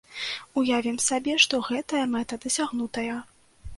Уявім сабе, што гэтая мэта дасягнутая.